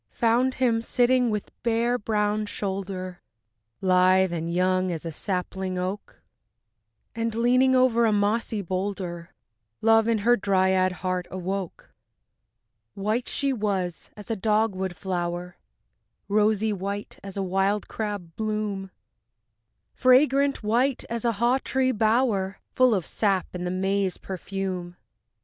Found him sitting with bare brown shoulder, Lithe and young as a sapling oak, And leaning over a mossy boulder, Love in her dryad heart awoke. III White she was as a dogwood flower, Rosy white as a wild crab bloom, Fragrant white as a haw tree bower Full of sap and the May's perfume.